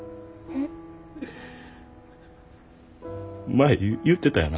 前言ってたよな。